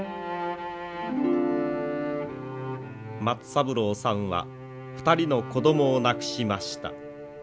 松三郎さんは２人の子どもを亡くしました。